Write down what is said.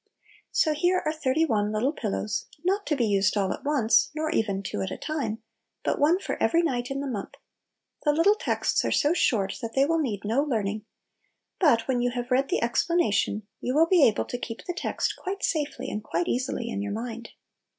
So here are thirty one " little pillows," not to be used all at once, nor even two at a time, but one for every night in the month. The little texts are so short, that they will need no learning; but when you have read the explanation, you will be able to keep the text quite safely and quite easily in your mind.